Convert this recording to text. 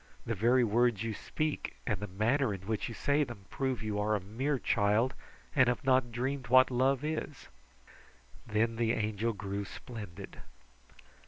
The very words you speak, and the manner in which you say them, prove that you are a mere child, and have not dreamed what love is." Then the Angel grew splendid.